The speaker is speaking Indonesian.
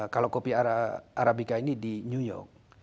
kalau kopi arabica ini di new york